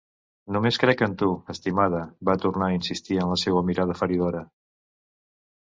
Només crec en tu, estimada, va tornar a insistir amb la seua mirada feridora.